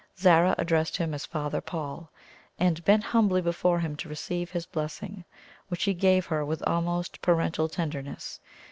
Zara addressed him as "Father Paul," and bent humbly before him to receive his blessing, which he gave her with almost parental tenderness.